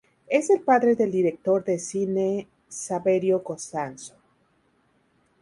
Es el padre del director de cine Saverio Costanzo.